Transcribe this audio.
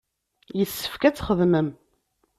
Yessefk ad txedmem.